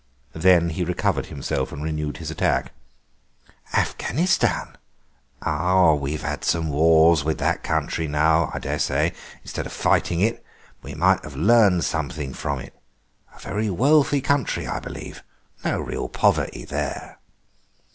Then he recovered himself and renewed his attack. "Afghanistan. Ah! We've had some wars with that country; now, I daresay, instead of fighting it we might have learned something from it. A very wealthy country, I believe. No real poverty there."